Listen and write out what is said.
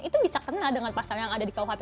itu bisa kena dengan pasal yang ada di kuhp